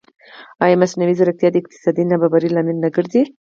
ایا مصنوعي ځیرکتیا د اقتصادي نابرابرۍ لامل نه ګرځي؟